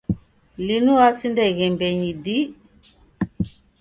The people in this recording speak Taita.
Linu wasinda ighembenyi dii.